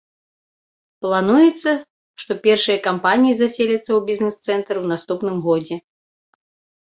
Плануецца, што першыя кампаніі заселяцца ў бізнес-цэнтр у наступным годзе.